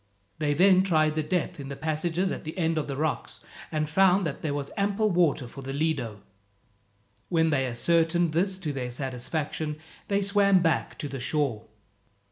They then tried the depth in the passages at the end of the rocks, and found that there was ample water for the Lido. When they ascertained this to their satisfaction they swam back to the shore.